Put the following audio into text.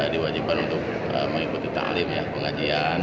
diwajibkan untuk mengikuti ta'lim pengajian